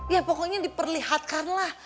ya pokoknya diperlihatkan lah